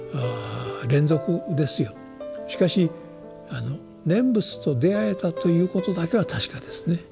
しかし念仏とであえたということだけは確かですね。